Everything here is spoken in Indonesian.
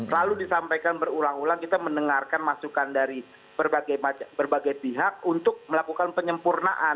lalu disampaikan berulang ulang kita mendengarkan masukan dari berbagai pihak untuk melakukan penyempurnaan